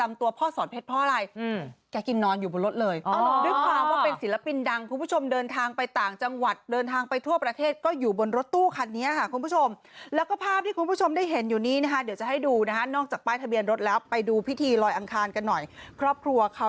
เมื่อวานนี้เองนะคุณผู้ชมโดยพี่แขกนี้นะบอกกับบันเทิงไทยรัฐด้วยว่า